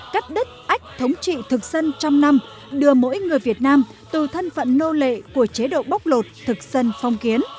cắt đứt ách thống trị thực dân trong năm đưa mỗi người việt nam từ thân phận nô lệ của chế độ bóc lột thực dân phong kiến